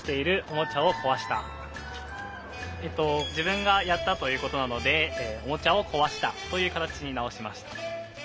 じぶんがやったということなので「おもちゃをこわした」というかたちになおしました。